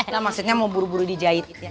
lah maksudnya mau buru buru dijahit